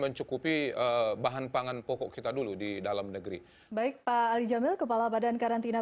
mencukupi bahan pangan pokok kita dulu di dalam negeri baik pak ali jamil kepala badan karantina